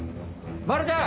まるちゃん！